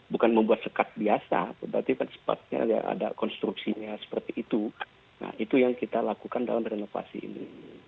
bukan membuat sekat biasa berarti kan sepatnya ada konstruksinya seperti itu nah itu yang kita lakukan dalam renovasi ini